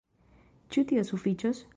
Ĉu tio sufiĉos?